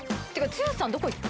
剛さんどこ行った？